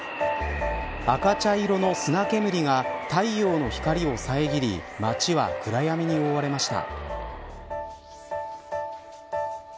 赤茶色の砂煙が太陽の光をさえぎり街は暗闇に覆われました。